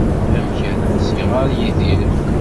Amek ara as-iɣer Yidir?